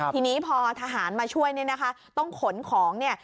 ทีนี้พอทหารมาช่วยเนี่ยนะคะต้องขนของเนี่ย